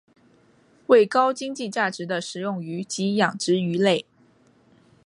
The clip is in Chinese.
为高经济价值的食用鱼及养殖鱼类。